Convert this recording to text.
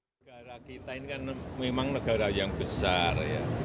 negara kita ini kan memang negara yang besar